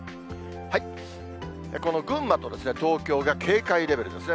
この群馬と東京が警戒レベルですね。